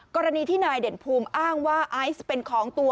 กรณีที่นายเด่นภูมิอ้างว่าไอซ์เป็นของตัว